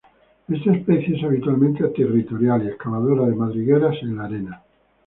Esta especie es habitualmente territorial y excavadora de madrigueras en la arena.